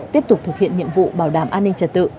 tiếp tục thực hiện nhiệm vụ bảo đảm an ninh trật tự